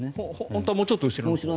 本当はもうちょっと後ろ？